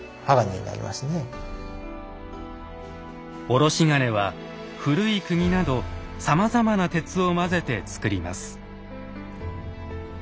卸鉄は古いくぎなどさまざまな鉄を混ぜてつくります。